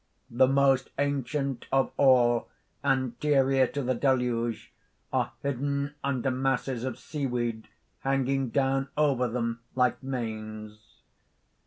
_ _The most ancient of all anterior to the Deluge are hidden under masses of seaweed hanging down over them like manes.